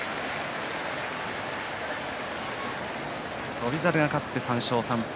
翔猿勝って３勝３敗。